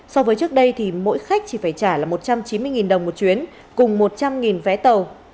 so với trước đây thì mỗi khách chỉ phải trả là một trăm chín mươi đồng một chuyến cùng một trăm linh vé tàu